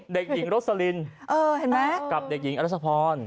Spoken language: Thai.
ดิ๊กหญิงรูซี่ลินกับได้หญิงอรสพร